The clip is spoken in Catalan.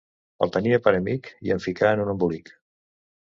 El tenia per amic i em ficà en un embolic.